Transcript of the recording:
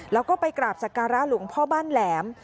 และไปกราบสการลุงพ่อบ้านแหลม